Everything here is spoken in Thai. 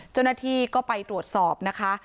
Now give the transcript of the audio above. เจ้าหน้าที่ก็ไปตรวจสอบนะคะ